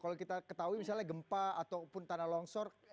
kalau kita ketahui misalnya gempa ataupun tanah longsor